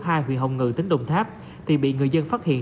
hai huyện hồng ngự tỉnh đồng tháp thì bị người dân phát hiện